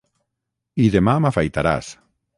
i demà m'afaitaràs!